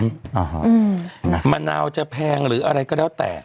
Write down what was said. อ่าฮะอืมนะมะนาวจะแพงหรืออะไรก็แล้วแต่